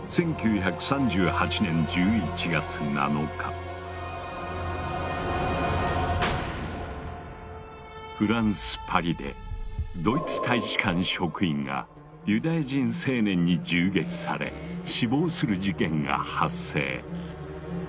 発端はフランス・パリでドイツ大使館職員がユダヤ人青年に銃撃され死亡する事件が発生。